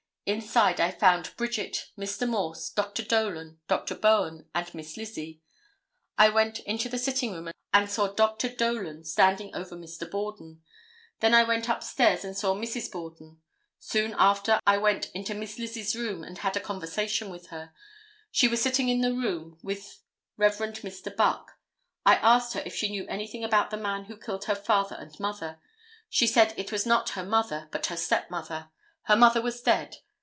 Inside I found Bridget, Mr. Morse, Dr. Dolan, Dr. Bowen and Miss Lizzie. I went into the sitting room and saw Dr. Dolan standing over Mr. Borden. Then I went upstairs and saw Mrs. Borden. Soon after I went into Miss Lizzie's room and had a conversation with her. She was sitting in the room with Rev. Mr. Buck. I asked her if she knew anything about the man who killed her father and mother? She said it was not her mother, but her step mother. Her mother was dead.